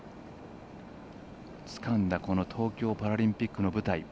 つかんだこの東京パラリンピックの舞台。